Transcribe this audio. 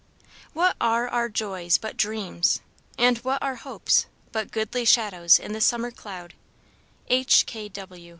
"What are our joys but dreams? and what our hopes But goodly shadows in the summer cloud?" H.